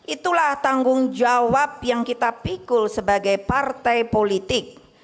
itulah tanggung jawab yang kita pikul sebagai partai politik